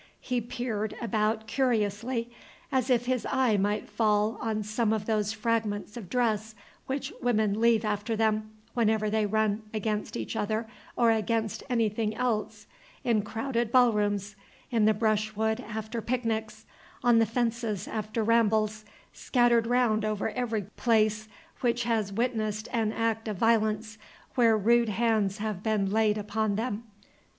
He peered about curiously, as if his eye might fall on some of those fragments of dress which women leave after them, whenever they run against each other or against anything else, in crowded ballrooms, in the brushwood after picnics, on the fences after rambles, scattered round over every place which has witnessed an act of violence, where rude hands have been laid upon them.